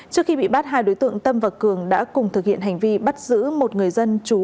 trước khi bị bắt hai đối tượng tâm và cường đã cùng thực hiện hành vi bắt giữ một người dân chú